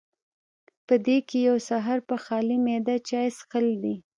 پۀ دې کښې يو سحر پۀ خالي معده چائے څښل دي